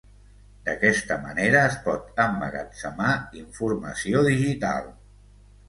D'aquesta manera es pot emmagatzemar informació digital.